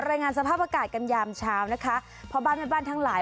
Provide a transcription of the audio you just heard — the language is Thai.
รายงานสภาพอากาศกันยามเช้านะคะพ่อบ้านแม่บ้านทั้งหลาย